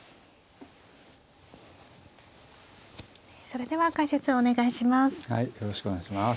それでは解説をお願いします。